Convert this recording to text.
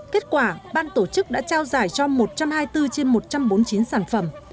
kết quả ban tổ chức đã trao giải cho một trăm hai mươi bốn trên một trăm bốn mươi chín sản phẩm